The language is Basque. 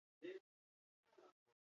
Aireko hegaztiak eta itsasoko arrainak